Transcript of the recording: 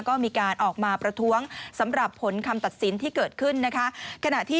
ก็มีการออกมาประท้วงสำหรับผลคำตัดสินที่เกิดขึ้นนะคะ